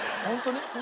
本当に？